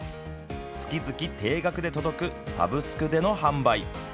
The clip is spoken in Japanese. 月々定額で届くサブスクでの販売。